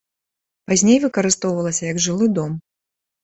Пазней выкарыстоўвалася як жылы дом.